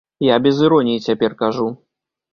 Я без іроніі цяпер кажу.